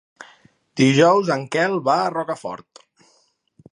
Dijous en Quel va a Rocafort.